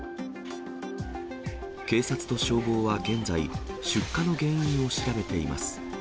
警察と消防は現在、出火の原因を調べています。